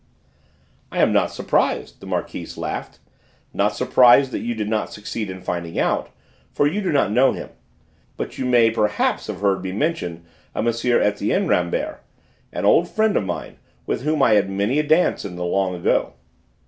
"I am not surprised," the Marquise laughed, "not surprised that you did not succeed in finding out, for you do not know him. But you may perhaps have heard me mention a M. Etienne Rambert, an old friend of mine, with whom I had many a dance in the long ago.